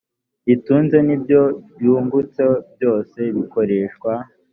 ritunze n ibyo ryungutse byose bikoreshwa